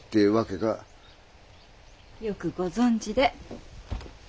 よくご存じで。